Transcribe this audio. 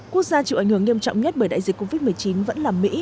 quốc gia chịu ảnh hưởng nghiêm trọng nhất bởi đại dịch covid một mươi chín vẫn là mỹ